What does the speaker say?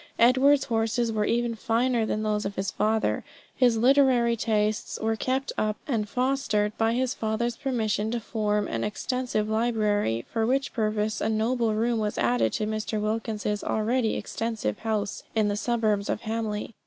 Edward's horses were even finer than those of his father; his literary tastes were kept up and fostered, by his father's permission to form an extensive library, for which purpose a noble room was added to Mr. Wilkins's already extensive house in the suburbs of Hamley.